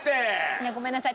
いやごめんなさい。